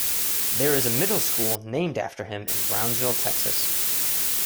There is a middle school named after him in Brownsville, Texas.